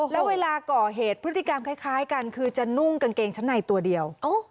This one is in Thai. แล้วเวลาก่อเหตุพฤติกรรมคล้ายกันคือจะนุ่งกางเกงชั้นในตัวเดียว